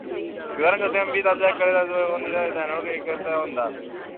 Bigarren zatian, bi taldeak kateatuta egon dira eta neurketa irekita egon da.